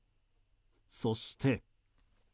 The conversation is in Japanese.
そして。